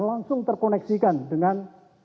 langsung terkoneksikan dengan